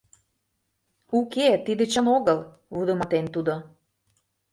— Уке, тиде чын огыл, - вудыматен тудо.